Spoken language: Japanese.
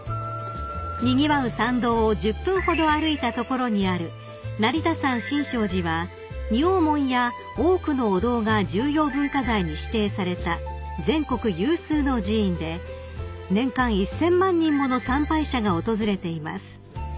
［にぎわう参道を１０分ほど歩いた所にある成田山新勝寺は仁王門や多くのお堂が重要文化財に指定された全国有数の寺院で年間１，０００万人もの参拝者が訪れています］